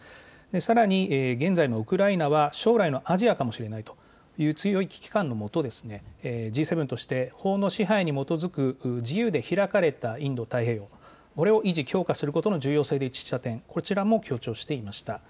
さらに現在のウクライナは将来のアジアかもしれないという強い危機感のもとですねＧ７として法の支配に基づく自由で開かれたインド太平洋これを維持・強化することの重要性で一致した点、こちらも強調していました。